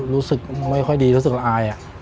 รู้สึกไม่ค่อยดีรู้สึกละอาย